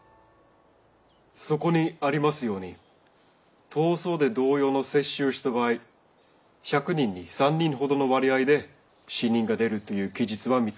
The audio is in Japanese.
そこにありますように痘瘡で同様の接種をした場合１００人に３人ほどの割合で死人が出るという記述は見つかりました。